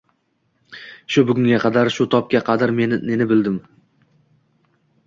Shu bugunga qadar, shu tobga qadar neni bildim.